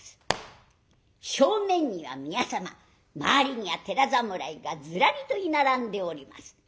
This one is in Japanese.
正面には宮様周りには寺侍がずらりと居並んでおります。